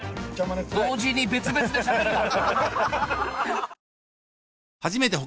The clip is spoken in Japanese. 同時に別々でしゃべるな！